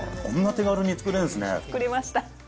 作りました。